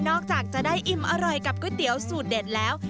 จากจะได้อิ่มอร่อยกับก๋วยเตี๋ยวสูตรเด็ดแล้ว